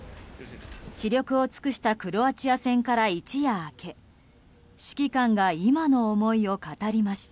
死力を尽くしたクロアチア戦から一夜明け指揮官が今の思いを語りました。